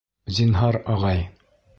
— Зинһар, ағай...